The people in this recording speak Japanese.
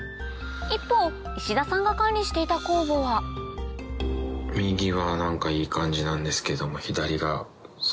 一方石田さんが管理していた酵母は右がいい感じなんですけども。